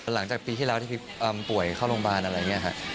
หลังจากปีที่แล้วที่พี่อำป่วยเข้าโรงพยาบาลอะไรอย่างนี้ครับ